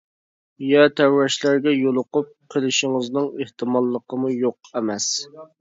يەر تەۋرەشلەرگە يولۇقۇپ قېلىشىڭىزنىڭ ئېھتىماللىقىمۇ يوق ئەمەس.